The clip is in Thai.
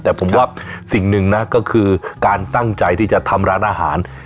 แต่ผมว่าสิ่งหนึ่งนะก็คือการตั้งใจที่จะทำร้านอาหาร